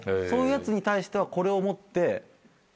そういうやつに対してはこれを持って。